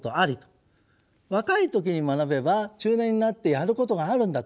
若い時に学べば中年になってやることがあるんだと。